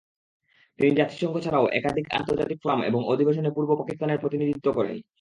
তিনি জাতিসংঘ ছাড়াও একাধিক আন্তর্জাতিক ফোরাম এবং অধিবেশনে পূর্ব পাকিস্তানের প্রতিনিধিত্ব করেন।